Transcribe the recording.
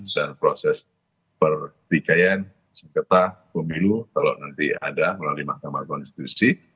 dan proses pertikaian sengketa pemilu kalau nanti ada melalui mahkamah konstitusi